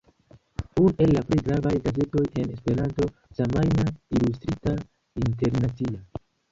Unu el la plej gravaj gazetoj en Esperanto, semajna, ilustrita, internacia.